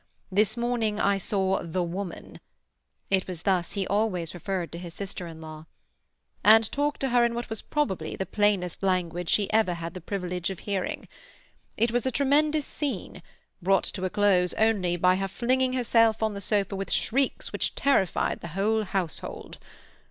This morning I saw the woman"—it was thus he always referred to his sister in law—"and talked to her in what was probably the plainest language she ever had the privilege of hearing. It was a tremendous scene, brought to a close only by her flinging herself on the sofa with shrieks which terrified the whole household.